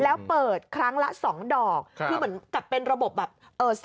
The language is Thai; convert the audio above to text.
แล้วเปิดครั้งละสองดอกคือเหมือนกับเป็นระบบแบบเอ่อ